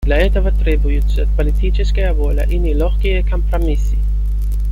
Для этого требуются политическая воля и нелегкие компромиссы.